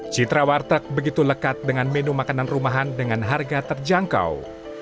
citra warteg begitu lekat dengan menu makanan rumahan dengan harga terjangkau